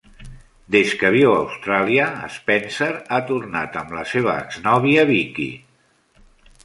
Des que viu a Austràlia, Spencer ha tornat amb la seva exnòvia Vicki.